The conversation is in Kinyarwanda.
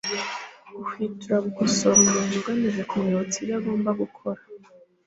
guhwitura gukosora umuntu ugamije kumwibutsa ibyo ashinzwegukora